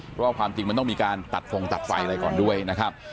เพราะว่าความจริงมันต้องมีการตัดฟงตัดไฟอะไรก่อนด้วยนะครับ